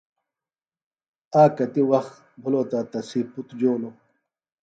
آک کتیۡ وخت بِھلوۡ تہ تسی پُتر جولوۡ